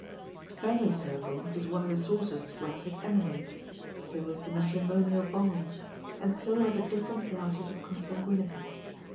The family circle is one of the sources whence it emanates; so is the matrimonial bond; and so are the different branches of consanguinity.